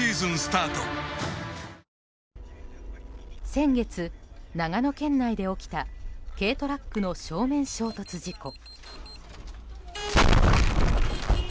先月、長野県内で起きた軽トラックの正面衝突事故。